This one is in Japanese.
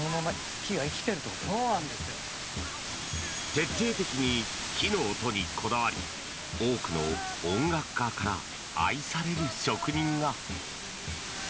徹底的に木の音にこだわり多くの音楽家から愛される職人が。